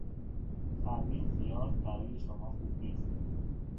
چربی زیاد برای شما خوب نیست.